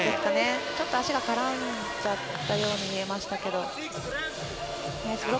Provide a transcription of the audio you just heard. ちょっと足が絡んじゃったように見えましたけど。